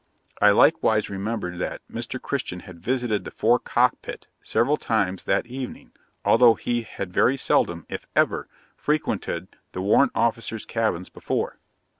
I likewise remembered that; Mr. Christian had visited the fore cockpit several times that evening, although he had very seldom, if ever, frequented the warrant officers' cabins before.'